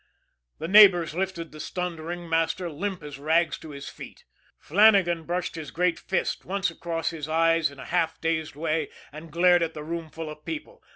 The neighbors lifted the stunned ringmaster, limp as rags, to his feet. Flannagan brushed his great fist once across his eyes in a half dazed way, and glared at the roomful of people.